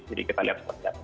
jadi kita lihat seperti apa